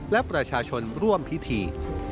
และประชาชนร่วมพิธี